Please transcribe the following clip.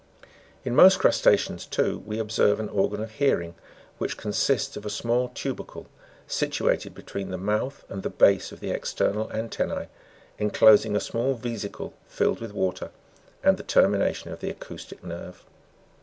In most crusta'ceans too, we observe an organ of hearing, which consists of a small tubercle, situated between the mouth and the base of the external antennae, enclosing a small vesicle filled with water, and the termination of the acoustic nerve.